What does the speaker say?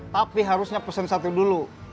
tapi harusnya pesen satu dulu